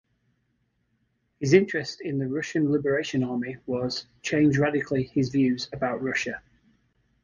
His interest in the Russian Liberation Army was "change radically his views about Russia".